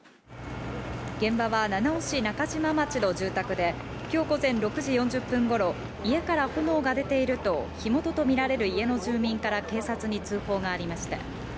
現場は七尾市中島町の住宅で、きょう午前６時４０分ごろ、家から炎が出ていると、火元と見られる家の住民から警察に通報がありました。